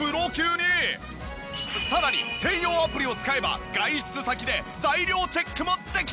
さらに専用アプリを使えば外出先で材料チェックもできちゃいます！